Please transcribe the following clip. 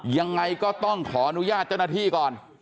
ยังไงก็ต้องขออนุญาตเจ้าหน้าที่ก่อน